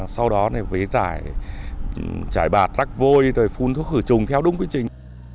sau đó thì phải trải bạc rắc vôi rồi phun thuốc khử trùng theo đúng quy trình